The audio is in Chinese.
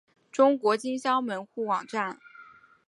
中国金乡门户网站